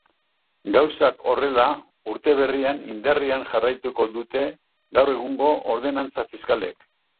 Gauzak horrela, urte berrian indarrean jarraituko dute gaur egungo ordenantza fiskalek.